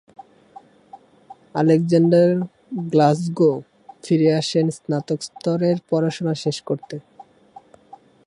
Alexander Glasgow ফিরে আসেন স্নাতক স্তরের পড়াশোনা শেষ করতে।